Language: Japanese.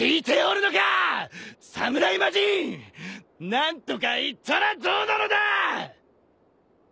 何とか言ったらどうなのだ！